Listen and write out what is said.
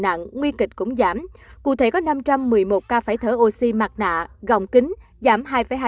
nặng nguy kịch cũng giảm cụ thể có năm trăm một mươi một ca phải thở oxy mặt nạ gòng kính giảm hai hai